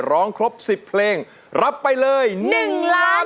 ร้องครบ๑๐เพลงรับไปเลย๑ล้าน